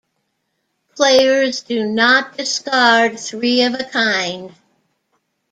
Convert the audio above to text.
Players do not discard three of a kind.